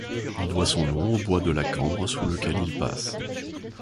Il doit son nom au Bois de la Cambre sous lequel il passe.